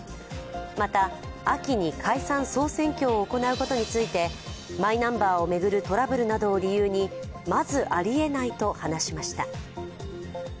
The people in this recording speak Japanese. また秋に解散総選挙を行うことについてマイナンバーを巡るトラブルなどを理由にまずありえないと話しました。